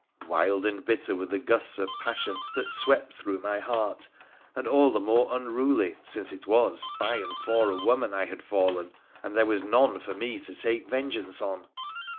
Wild and bitter were the gusts of passion 'that swept through my heart, and all the more unruly since it was by and for a woman I had fallen, and there was none for me to take vengeance on.